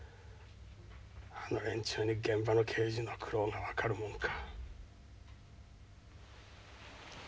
あの連中に現場の刑事の苦労が分かるもんか。